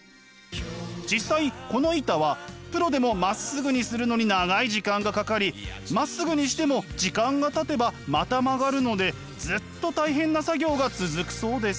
実際この板はプロでもまっすぐにするのに長い時間がかかりまっすぐにしても時間がたてばまた曲がるのでずっと大変な作業が続くそうです。